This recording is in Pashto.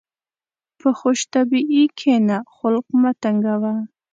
په خوشطبعي کښېنه، خلق مه تنګوه.